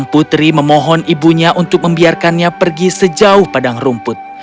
putri memohon ibunya untuk membiarkannya pergi sejauh padang rumput